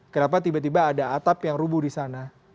kenapa tiba tiba ada atap yang rubuh di sana